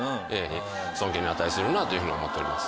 尊敬に値するなというふうに思っております。